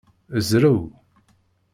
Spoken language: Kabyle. Zrew!